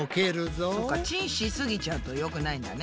チンしすぎちゃうとよくないんだね。